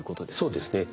そうですね。